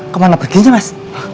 kemana perginya mas